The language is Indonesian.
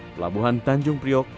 pelabuhan tanjung priok